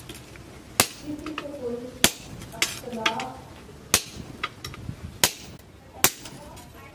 کسی سے کوئی اختل